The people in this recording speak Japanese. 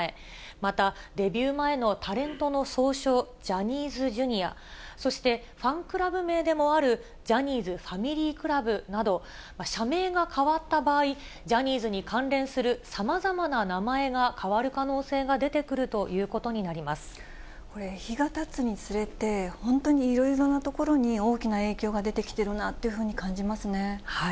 また、デビュー前のタレントの総称、ジャニーズＪｒ．、そして、ファンクラブ名でもあるジャニーズファミリークラブなど、社名が変わった場合、ジャニーズに関連するさまざまな名前が変わる可能性が出てくるとこれ、日が経つにつれて、本当にいろいろなところに大きな影響が出てきてるなっていうふうに感じますね。